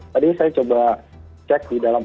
tadi saya coba cek di dalam